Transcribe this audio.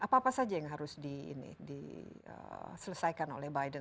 apa apa saja yang harus diselesaikan oleh biden